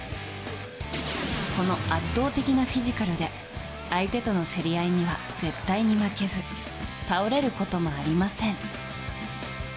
この圧倒的なフィジカルで相手との競り合いには絶対に負けず倒れることもありません。